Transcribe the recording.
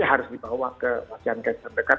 ya harus dibawa ke wajah kesehatan dekat